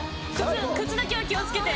靴だけは気を付けて。